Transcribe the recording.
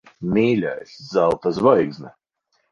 Mīļais! Zelta zvaigzne.